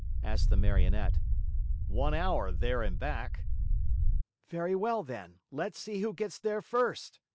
asked the Marionette. "One hour there and back." "Very well, then. Let's see who gets there first!"